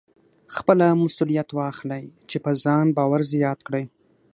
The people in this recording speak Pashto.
خپله مسوليت واخلئ چې په ځان باور زیات کړئ.